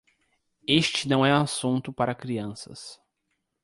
Este não é um assunto para crianças